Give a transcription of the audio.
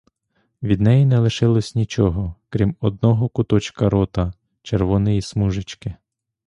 Від неї не лишилось нічого, крім одного куточка рота — червоної смужечки.